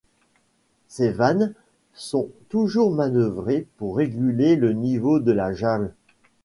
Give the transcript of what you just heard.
Ses vannes sont toujours manœuvrées pour réguler le niveau de la Jalle.